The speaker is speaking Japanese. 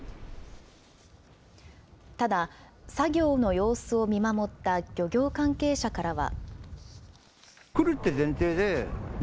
ただ、作業の様子を見守った漁業関係者からは。